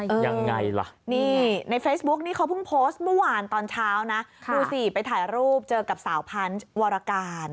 ยังไงล่ะนี่ในเฟซบุ๊กนี่เขาเพิ่งโพสต์เมื่อวานตอนเช้านะดูสิไปถ่ายรูปเจอกับสาวพันธ์วรการ